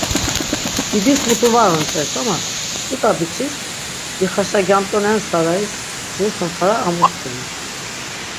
Didis mutu var onç̆els ama ç̆it̆a biç̆is Dixaşagyant̆onen Sarayis jur sum fara amuxtimun.